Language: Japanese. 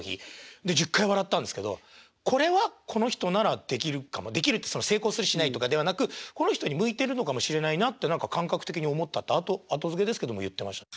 で１０回笑ったんですけどこれはこの人ならできるかもできるって成功するしないとかではなくこの人に向いてるのかもしれないなって何か感覚的に思ったって後づけですけども言ってましたね。